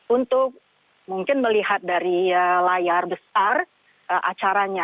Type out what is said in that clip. untuk mungkin melihat dari layar besar acaranya